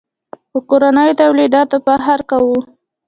په کورنیو تولیداتو فخر کوو.